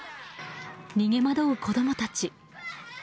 逃げ惑う子供たち。